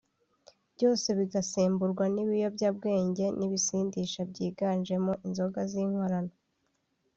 byose bigasemburwa n’ibiyobyabwenge n’ibisindisha byiganjemo inzoga z’inkorano